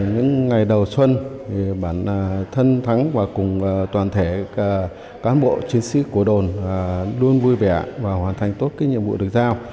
những ngày đầu xuân thì bản thân thắng và cùng toàn thể cán bộ chiến sĩ của đồn luôn vui vẻ và hoàn thành tốt cái nhiệm vụ được giao